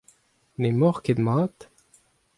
N'emaoc'h ket mat ?